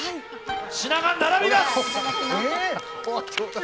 品が並びます。